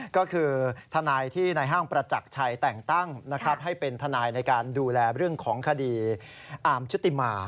ก็คือทนายที่ในห้างประจักรชัยแต่งตั้งให้เป็นทนายในการดูแลเรื่องของคดีอาร์มชุติมา